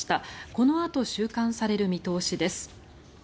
このあと収監される見通しです。